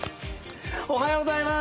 おはようございます。